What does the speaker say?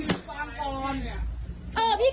เวลาโสดอย่างนี้